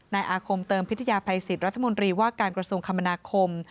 อาคมเติมพิทยาภัยสิทธิ์รัฐมนตรีว่าการกระทรวงคมนาคม